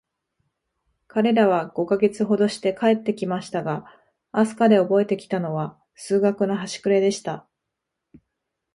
彼等は五ヵ月ほどして帰って来ましたが、飛島でおぼえて来たのは、数学のはしくれでした。